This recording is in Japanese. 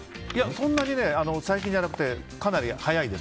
そんなに最近じゃなくてかなり早いです。